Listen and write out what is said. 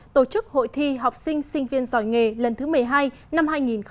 tổ chức hội thi học sinh sinh viên giỏi nghề lần thứ một mươi hai năm hai nghìn hai mươi